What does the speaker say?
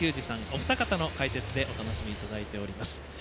お二方の解説でお楽しみいただいております。